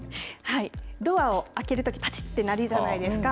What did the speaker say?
ドアを開けるとき、ぱちってなるじゃないですか。